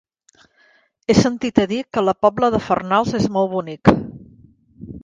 He sentit a dir que la Pobla de Farnals és molt bonic.